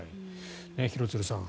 廣津留さん